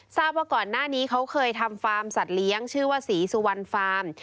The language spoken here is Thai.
ทราบว่าก่อนหน้านี้เขาเคยทำฟาร์มสัตว์เลี้ยงชื่อว่าศรีสุวรรณฟาร์ม